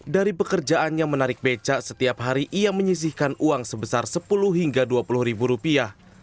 dari pekerjaannya menarik becak setiap hari ia menyisihkan uang sebesar sepuluh hingga dua puluh ribu rupiah